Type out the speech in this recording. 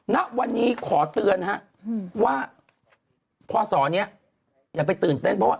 ณวันนี้ขอเตือนฮะว่าพ่อสอนี่อย่าไปตื่นเต้น